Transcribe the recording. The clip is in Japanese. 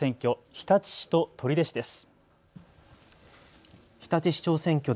日立市と取手市です。